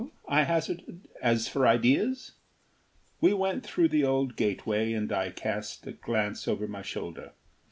I hazarded, "as for ideas ?" We went through the old gateway and I cast a glance over my shoulder.